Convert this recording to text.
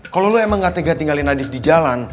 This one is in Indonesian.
kalau lo emang gak tega tinggalin nadif di jalan